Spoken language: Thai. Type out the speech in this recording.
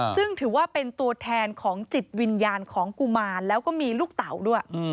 ซึ่งถือว่าเป็นตัวแทนของจิตวิญญาณของกุมารแล้วก็มีลูกเต่าด้วย